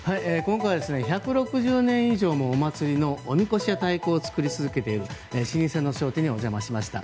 今回は１６０年以上もお祭りの太鼓などを作り続けている商店にお邪魔しました。